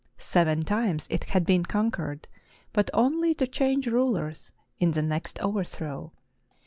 Seven times it had been con quered, but only to change rulers in the next overthrow.